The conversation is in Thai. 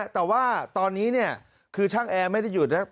แต่ว่าตอนนี้คือช่างแอร์ไม่ได้หยุดนะ